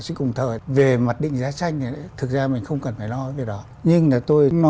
sĩ cùng thời về mặt định giá tranh thì thực ra mình không cần phải lo về đó nhưng là tôi lo